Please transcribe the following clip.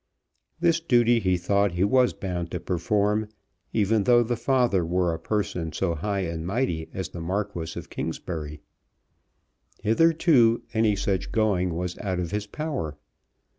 This duty he thought he was bound to perform, even though the father were a person so high and mighty as the Marquis of Kingsbury. Hitherto any such going was out of his power.